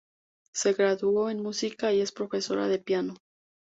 Se graduó en música y es profesora de piano.